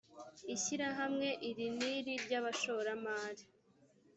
ishyirahamwe iri n iri ry abashoramari